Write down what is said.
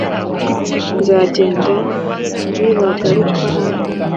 Nzagenda nibagaruka hano